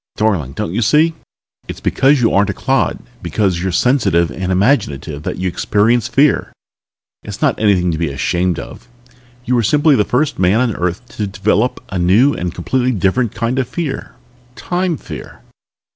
Darling, don't you see it's because you aren't a clod, because you're sensitive and imaginative that you experience fear. It's not anything to be ashamed of. You were simply the first man on Earth to develop a new and completely different kind of fear Time Fear."